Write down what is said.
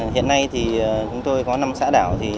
hiện nay thì chúng tôi có năm xã đảo